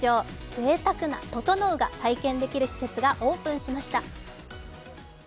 ぜいたくなととのうが体験できる施設がオープンしました。